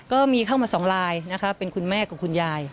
ก็มีเข้ามาสองลายนะคะเป็นคุณแม่กับคุณยาย